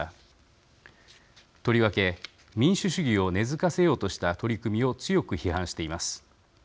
とりわけ民主主義を根づかせようとした取り組みを強く批判しています。